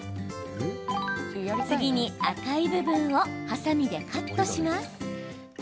赤い部分をはさみでカットします。